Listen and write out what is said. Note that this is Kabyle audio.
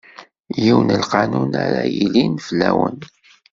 Yiwen n lqanun ara yilin fell-awen.